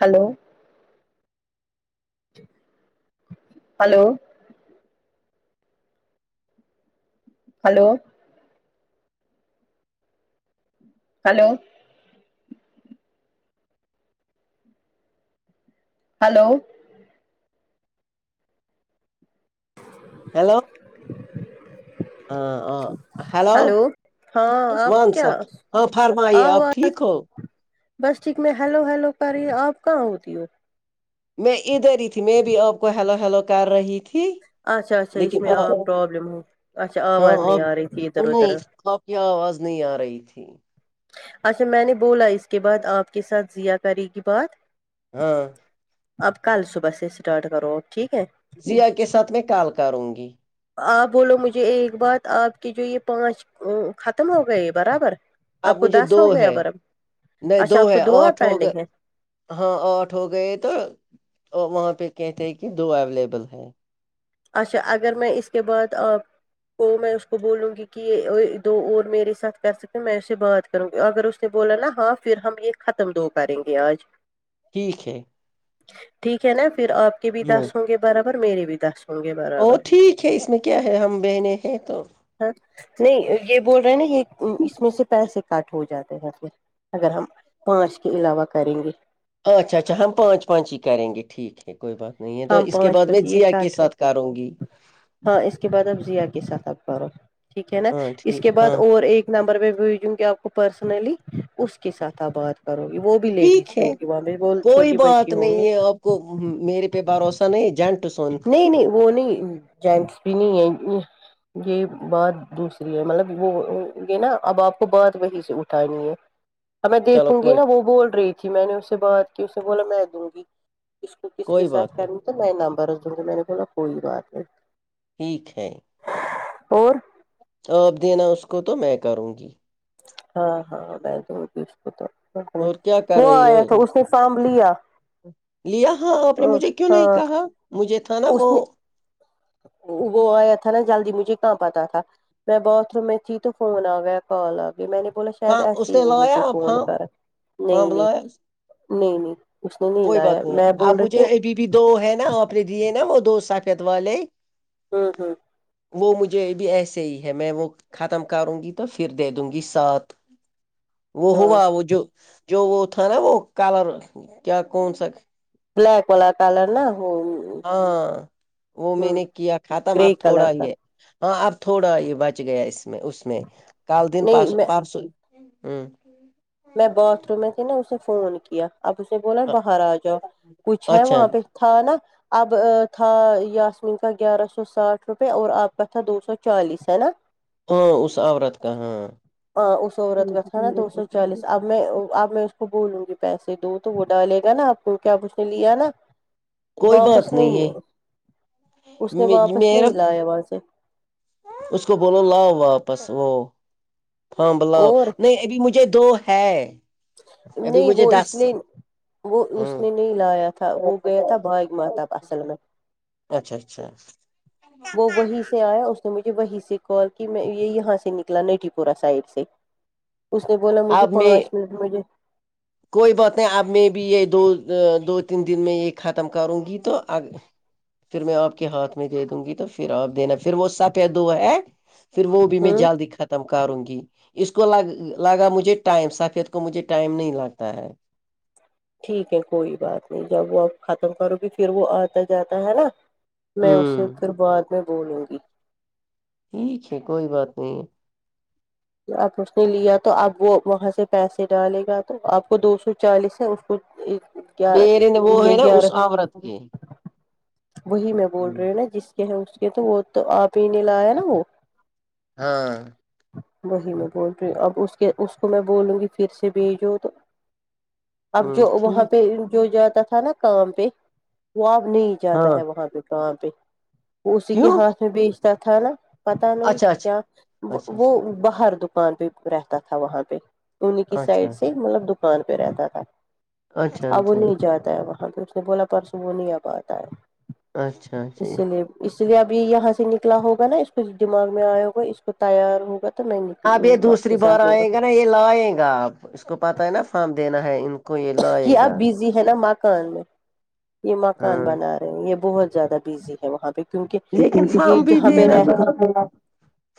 hello hello hello hello hello hello ہ hello ہاں مان آپ کیا ساب ہاں فرمائیے آپ آواز ٹھیک ہو بس ٹھیک میں ہیلو ہیلو کری آپ کہاں ہوتی ہو میں ادھر ہی تھی میں بھی آپ کو ہیلو ہیلو کر رہی تھی اچھا اچھا یہ لیکن میں آ- آب پ پرابلم ہو اچا ہاں آواز نہیں آار آپ فیزر ویتھر نہیں آپ کیا آواز نہیں آ رہی تھی اچھا میں نے بولا اس کے بعد آپ کے ساتھ زیا کرے گی بات ہاں اب کل صبح سے اسٹارٹ کرو اپ ٹھیک ہے یا کے ساتھ میں کال کروں گی آپ بولو مجھے ایک بات آپ کی جو یہ پانچ ختم ہو گئے برابر آپ کو مجھے دس دو ہو گیا ہے برابر نہیں دو اچھا آپ کو ہے آھ اور ہو گئے پینڈنگ ہے ہاں آٹھ ہو گئے تو وہاں پہ کہتے ہیں کہ دو اویلیبل ہے اچھا اگر میں اس کے بعد آ تو میں اس کو بولوں گی کہ یہ دو اور میرے ساتھ کر سکے میں اسے بات وں گ اگر اس نے بولا نا ہاں پھر ہم یہ ختم دو کریں گے آج ٹھیک ہے ٹھیک ہے نا پھر آپ کے بھی دس ہوں گے برابر میرری بھی دس ہوں گے او برابر ٹھیک ہے اس میں کیا ہے ہم بہنیں ہیں تو ہاں نہیں یہ بول رہے ہیں نا یہ اس میں سے پیسے کاٹ ہو جاتے ہیں پھر اگر ہم پانچ کے علاوہ کریں گے اچھا اچھا ہم پانچ پانچ ہی کریں گے ٹھیک ہے کوئی بات نہیں ہے تو ہم اس کے پانچ بعد میں بس یہ جیا کے کٹ ساتھ کاروں گی ہاں اس کے بعد اب ضیا کے ساتھ آ پ رہو ٹھیک ہے نا ہاں اس ٹھیک کے بعد ہاں اور ایک نمبر پہ بھیجوں گی آپ کو پرسنلی اس کے ساتھ آپ بات کرو گی وہ بھی ٹھیک لیڈیز ہے ہوگی وہاں بھی وہ کوئی چھوٹی بات بچی ہوںگی نہیں ہے آپ کو میرے پہ بھروسہ نہیں جنٹ سن نہیں نہیں وہ نہیں جینٹس بھی نہیں ہے یہ بات دوسری ہے مطلب وہ یہ نا اب آپ کو بات وہی سے اٹھانی ہے ا میں چلو دیکھوں گی کوئی نا وہ بول رہی تھی میں نے اسے بات کی اسے بولا میں دوں گی اس کو کس کے کوئی ساتھ بات نہیں کرنا تو میں نمبر دوں گا میں نے بولا کوئی بات نہیں ٹھیک ہے اور آپ دینا اس کو تو میں کروں گی ہاں ہاں میں د اس کو تو اور کیا کر وہ رہی ہو آیا تھا اس نے فب لیا لیا ہاں آپ نے مجھے کیوں نہیں ہاں کہا مجھے تھا نا وہ اس نے وہ آیا تھا نا جلدی مجھے کہاں پہ تھا میں باتھ روم میں تھی تو فون آ گیا کال آ گیا میں نے بولا شاید ہاں ایسے اس ہی نے ہو لایا مجھے فون فام کر نہیں فام نہیں لایا نہیں نہیں اس نے نہیں کوئی لایا بات میں ہے بول اب مجھے رہیھی ابھی دو ہے نا آپ نے دیے نا وہ دو سفت والے ہوں ہوں وہ مجھے ابھی ایسے ہی ہے میں وہ ختم کروں گی تو پھر دے دوں گی سات وہ ہوو ہاں واہ وہ جو جو وہ تھا نا وہ کلر کیا کون سا بلیک والا کلر نہا ہو ہاں وہ میں نے کیا ختم آپ گرے تھوڑا کلر کا یہ ہاں اب تھوڑا یہ بچ گیا اس میں اس میں کل نہیں دنس میں پرسوں ہوں میں باتھ روم میں تھی نا اسے فون کیا اب اسے بولا اچ- باہر آ جاؤ کچھ ہے اچھا وہاں پہ تھا نا اب تھا یاسمین کا گیارہ سو ساٹھ روپئے اور آپ کا تھا دو سو چالیس ہے نا ہاں اس عورت کا ہاں اس عورت کا تھا نا دو سو اب میں اب میں اس کو بولوں گی پیسے دووں تو وہ ڈالے گا نا آپ کو کیا اب اس نے لیا نا کوئی واپس بات نہیں ہے اس نے می- واپس میرا نہیں لایا وہاں سے اس کو بولو لاؤ واپس وہ ہاں ب لؤ اور نہیں بھی مجھے دو ہے ابھی نہیں مجھے وہ دس اس لیے وہ ہوں اس نے نہیں لایا تھا وہ گیا تھا باگ ماتا اصل میں اچھا اچھا وہ وہیں سے آیا اس نے مجھے وہیں سے کال کی میں یہ یہاں سے نکلا نٹھی پورہ سائڈ سے اس نے بولا مجھے آپ میں پانچ منٹ مجھے کوئی بات نہیں اب میں بھی یہ دو دو تین دن میں یہی ختم کروں گی تو پھر میں آپ کے ہاتھ میں دے دوں گی تو پھر آپ دینا پھر وہ سفید دو ہے پھر وہ بھی میں ہوں جال دکھا تھا تمکاروں گی اس کو لگا مجھے ٹائم سفید کو مجھے ٹائم نہیں لگتا ہے ٹھیک ہے کوئی بات نہیں جب وہ آپ ختم کرو گی پھر وہ آتا جاتا ہے نا میں اسے ہوں پھر بعد میں بولوں گی ٹھیک ہے کوئی بات نہیں اب اس نے لیا تو اب وہ وہاں سے پیسے ڈالے گا تو آپ کو دو سو چالیس ہے اس کو ایک گیارہ میرے نے وہ ہے نا گیارہ اس عورت کے وہی میں بول رہی ہوں نا جس اس کے تو وہ تو آپ ہی نے لایا نا وہ ہاں وہی میں بول رہی ہوں اب اس کے اس کو میں بولوں گی پھر سے بھیجو تو اب ہ جو وہاں ٹھیک پہ جو جاتا تھا نا کام پہ وہ اب نہیں جاتا ہاں ہے وہاں پہ کااں پہ وہ اسی کے کیوں ہاتھ میں بیچتا تھا نا پتا نہیں اچھا اچھا کیا اچھا وہ باہر دکان پہ رہتا تھا وہاں پہ انہیں کی اچھا اچھا سائڈ سے مطلب دکان پہ رہتا تھا اچھا اب وہ اچھا نہیں جاتا ہے وہاں تو اس نے بولا پرسوں وہ نہیں اب آتا ہے اچھا اچھا اچھا اسی لیے اس لیے ابھی یہاں سے نکلا ہوگا نا اس کو دمغ میں آیا ہوا اس کو تیار ہوگا تو نہیں نک اپ یہ دوسری بار آئیں گا نا یہ لائے گا آپ اس کو پتہ ہے نا فارم دینا ہے ان کو کوئی آئے یہ اب گا بزی ہے نا مکان میں یہ مکان ہاں بنا رہے یہ بہت زیادہ بزی ہے وہاں پہ کیونکہ لیکن سمب یہ بھی جہاں پہ دینا رہتے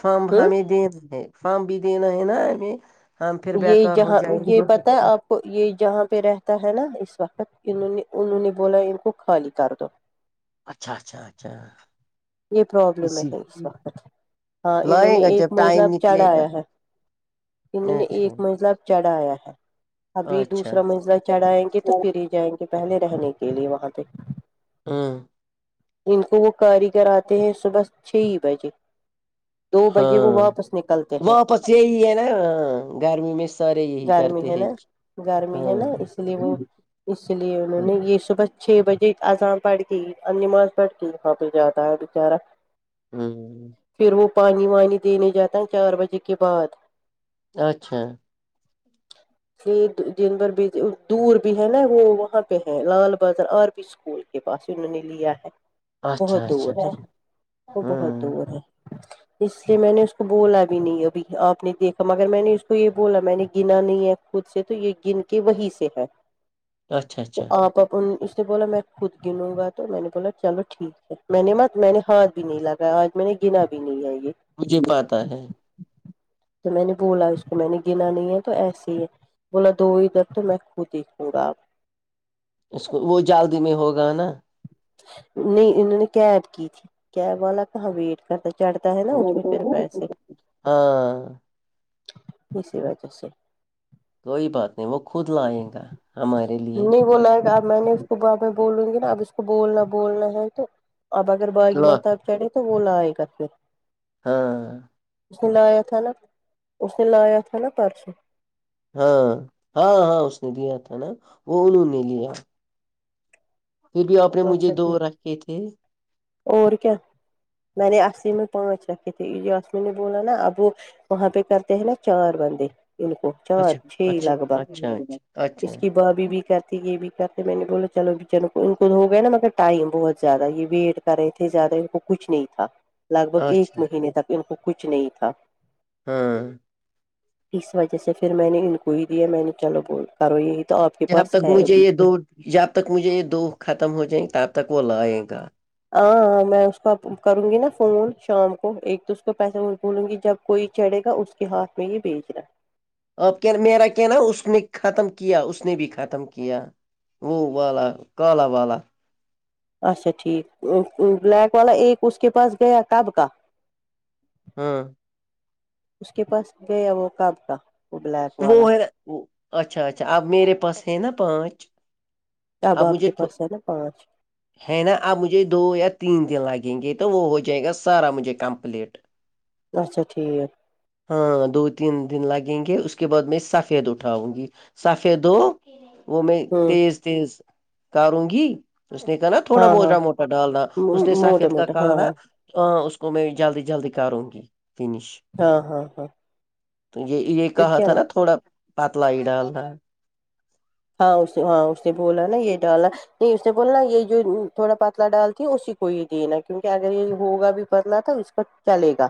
سمب ہوں ہمیں دینا ہے فارم بھی دینا ہے نا ایں ہم پھر یہ بیکار ہو جہاں جائےیں گی یہ پتہ ہے آپ کو یہ جہاں پہ رہتا ہے نا اس وقت انہوں نے انہوں نے بولا ان کو خالی کر دو اچھا اچھا اچھا یہ پرابلم اسی ہے اس وقت ہاں انہوں لائے نے گا ایک جب میلہب ٹائم نکلے گا چڑھایا ہے انہوں نے اچھا ایک مزلہب چڑھایا ہے ابھی اچھا دوسرا مزلہ چڑھائیں گے تو پھر جائیں گے پہلے رہنے کے لیے وہاں پہ ہاں جن کو وہ کاریگر آتے ہیں صبح چھ ہی بجے دو بجے وہ ہاں واپس نکلتے ہیں واپس یہی ہے نا گرمی میں سارے یہی گرمی کرتے ہے ہیں نا گرمی ہے ہاں نا اس لیے وہ ہ اس لیے انہوں نے یہ صبح چھ بجے آزاں پڑھ کے اور نماز پڑھ کے واپس جاتا ہے بچارا ہوں پھر وہ پانی وانی دینے جاتا ہے چار بجے کے بعد اچھا [inaudible] یہ دن بھر بھی دور بھی ہے نا وہ وہاں پہ ہے لال بازار اور بھی اسکول کے پاس ہی انہوں نے لیا ہے اچھا بہت دور ہے اچھا وہ بہت ہاں دور ہے اس لیے میں نے اس کو بولا بھی نہیں ابھی آپ نے دیکھا مگر میں نے اس کو یہ بولا میں نے گنا نہیں ہے خود سے تو یہ گن کے وہیں سے ہے اچھا تو اچھا آپ اس نے بولا میں خود گنوں گا تو میں نے بولا چلو ٹھیک ہے میں نے مت میں نے ہاتھ بھی نہیں لگایا آج میں نے گنا بھی نہیں ہے یہ مجھے پتا ہے تو میں نے بولا اس کو میں نے گنا نہیں ہے تو ایسے ہی ہے بولا دو ادھر تو میں خود دیکھوں گا اپ اس کو وہ جلدی میں ہوگا نا نہیں ان نے کیب کی تھی کیب والا کہاں ویٹ کرتا چڑھتا ہے نا اس میں پھر پیسے ہاں اسی وجہ سے کوئی بات نہیں وہ خود لائے گا ہمارے لیے نہیں بلاائے گا اب میں نے اس کو ب میں بولوں گی نا اب اس کو بولنا بولنا ہے تو اب اگر باغی لا- محتاب چے تو وہ لائے گا پھر ہاں اس نے لایا تھا نا اس نے لایا تھا نا پرسوں ہاں ہاں ہاں اس نے دیا تھا نا وہ انہوں نے لیا پھر بھی آپ نے مجھے اچھا دو ٹھیک رکھے تھے اور کیا میں نے اسلی میں پانچ رکھے تھے یاسمین نے بولا نا اب وہ وہاں پہ کرتے ہیں نا چار بندے ان کو چار اچھا چھ اچھا لگ بھگ اچھا اچھا اچھا اس کی بھابھی کرتی یہ بھی کرتے میں نے بولا چلو اوں کو ان کو ہوگیا نا مگر ٹائم بہت زیادہ یہ ویٹ کرے تھے زیادہ ان کو کچھ نہیں تھا لگ بھگ ایک اچھا مہینے تک ان کو کچھ نہیں تھا ہاں اس وجہ سے پھر میں نے انکو ہی دیا ہے میں نے چلو کرو یہی تو آپ کے جب پاس تک ہے مجھے ابھی، یہ دو جب تک مجھے یہ دو ختم ہو جائیں گے تب تک وہ لائے گا ہاں ہاں میں اس کو کروں گی نا فون شام کو ایک تو اس کو پیسہ بھولوں گی جب کوئی چڑھے گا اس کے ہاتھ میں یہ بیچ رہا اب کہ میرا کہنا اس نے ختم کیا اس نے بھی ختم کیا وہ والہ کالہ والا اچھا ٹھیک بلیک والا ایک اس کے پاس گیا کب کا ہاں اس کے پاس گیا وہ کاب کا وہ بلیک وہ والا ہے اچھا اچھا اب میرے پاس ہے نا پانچ اب آپ مجھے کے تھو- پاس ہے نا پانچ ہے نا اب مجھے دو یا تین دن لگیں گے تو وہ ہو جائے گا سارا مجھے کمپلیٹ اچھا ٹھیک ہے ہاں دو تین دن لگیں گے اس کے بعد میں سفید اٹھاؤں گی سفید دو وہ میں ہوں تیز تیز کاروں گی اس نے کہا نا تھوڑا ہاں ہاں موٹا موٹا ڈالنا اس نے موٹا سافیید کا موٹا کہ ہاں نا ہاں ہاں اس کو میں جلدی جلدی کروں گی فنش ہاں ہاں ہاں تو یہ یہ پھر کہا کیا تھا نا تھوڑا پتلا ہی ڈال رہ ہاں اسے ہاں اسے بولا نا یہ ڈالا نہیں اس نے بولناا یہ جو تھوڑا پتلا ڈالتی اسی کو یہ دینا کیونکہ اگر یہ ہوگا بھی پتلا تو اس چلے گا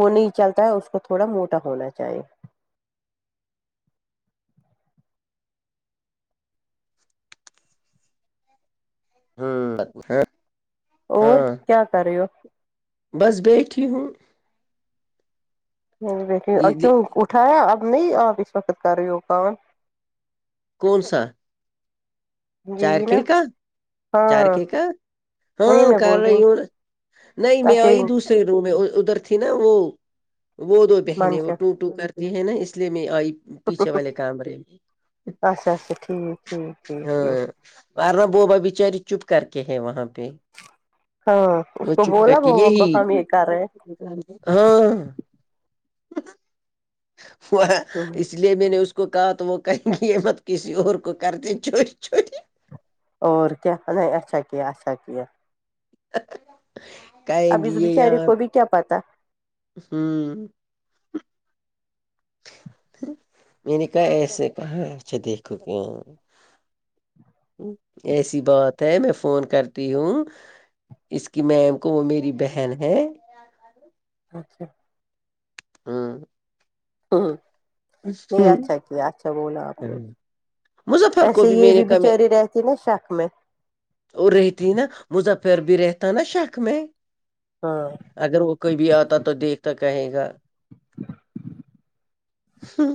وہ نہیں چلتا ہے اس کو تھوڑا موٹا ہونا چاہے ہوں لگ اور کیا کر رہے ہو بس بیٹھیھی ہو نہیں بیٹ کیوں اٹھایا اب نہیں آپ اس وقت کر رہے ہو کان کون سا جی چار جی نا کیک چار ہاں کے کا وہی ہاں میں کر بول رہی ہوں نہیں میں اچھا آئی دوسری رو میں ادھر تھی نا وہ وہ دو بہنیں وہ منشا ٹو کرتی یہ ہے نا اس لیے میں پیچھے والے کام رہے اچھا اچھا ٹھیک ٹھیک ٹھیک ہاں ٹھیک ار بوبا بیچاری چپ کر کے ہے وہاں پہ ہاں اس وہ کو چپ بولا کر کے وہو کو یہی ہم یہ کر رہے ہیں ہاں وہ اس ہیں اس لیے میں نے اس کو کہا تو وہ کریں گےمت کسی اور کو کر د چھو چھوٹیی اور کیا اچھا کیا اچھا کیا کہیں اب گی اس یہ بیچارے یہاں کو بھی کیا پتا ہوں میں نے کہا ایسے کہاں ہے اچھا دیکھو کہ ایسی بات ہے میں فون کرتی ہوں اس کی میم کو وہ میری بہن ہے اچھا ہاں ہوں نہیں اچھا کہ اچھا بولا آپ نے مظفر کو ایسے یہ میں نے بھی کہا میں بچاری رہتی نا شق میں اور رہتی نا مظفر بھی رہتا نا شک میں ہاں اگر وہ کوئی بھی آتا تو دیکھتا کہے گا ہاں